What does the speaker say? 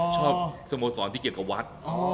ชอบสโมสรที่เกี่ยวกับวัด